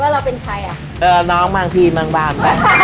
แล้วบอกว่าเราเป็นใครอ่ะเออน้องบางทีบางบ้าน